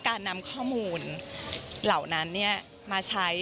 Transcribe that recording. การนำข้อมูลเหล่านั้นมาใช้